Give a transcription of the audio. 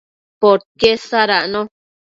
podquied sadacno